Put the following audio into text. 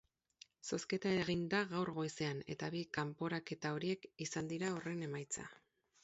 Zozketa egin da gaur goizean eta bi kanporaketa horiek izan dira horren emaitza.